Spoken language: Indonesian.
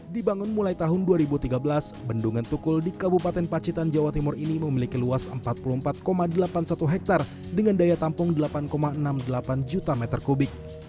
dibangun mulai tahun dua ribu tiga belas bendungan tukul di kabupaten pacitan jawa timur ini memiliki luas empat puluh empat delapan puluh satu hektare dengan daya tampung delapan enam puluh delapan juta meter kubik